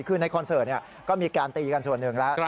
คือในคอนเสิร์ตก็มีการตีกันส่วนหนึ่งแล้ว